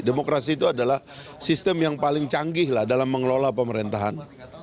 demokrasi itu adalah sistem yang paling canggih dalam mengelola pemerintahan